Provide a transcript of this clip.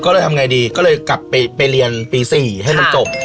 เลยกลับไปไปเรียนปี๔ให้มันจบ